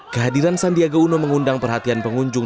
kehadiran sandiaga uno mengundang perhatian pengunjung